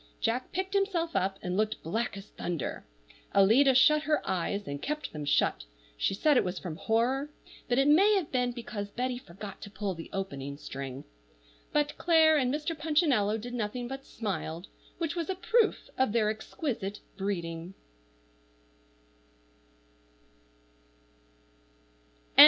Jack picked himself up, and looked black as thunder. Alida shut her eyes, and kept them shut (she said it was from horror, but it may have been because Betty forgot to pull the opening string), but Clare and Mr. Punchinello did nothing but smile, which was a proof of their exquisite breeding.